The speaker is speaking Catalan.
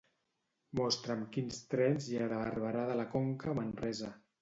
Mostra'm quins trens hi ha de Barberà de la Conca a Manresa.